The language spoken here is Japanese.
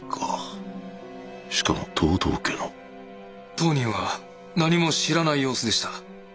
当人は何も知らない様子でした。